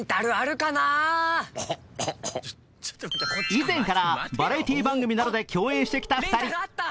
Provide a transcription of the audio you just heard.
以前からバラエティー番組などで共演してきた２人。